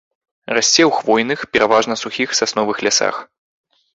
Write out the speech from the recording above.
Расце ў хвойных, пераважна сухіх сасновых лясах.